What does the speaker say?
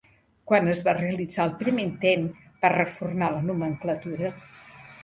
Quan es va realitzar el primer intent per reformar la nomenclatura?